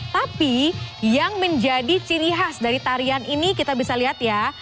tapi yang menjadi ciri khas dari tarian ini kita bisa lihat ya